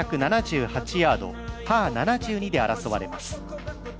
ヤードパー７２で争われます。